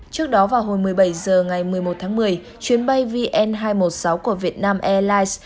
trước đó vào hồi một mươi bảy h ngày một mươi một tháng một mươi chuyến bay vn hai trăm một mươi sáu của vietnam airlines